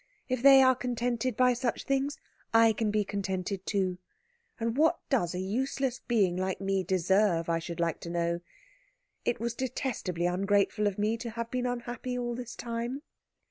If they are contented by such things, I can be contented too. And what does a useless being like me deserve, I should like to know? It was detestably ungrateful of me to have been unhappy all this time."